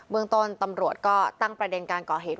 เมืองต้นตำรวจก็ตั้งประเด็นการก่อเหตุ